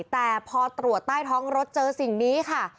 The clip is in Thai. แต่พอตรวจใต้ท้องรถเจอสิ่งนี้ค่ะ